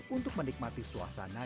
untuk menikmati suasana